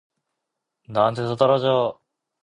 나한테서 떨어져!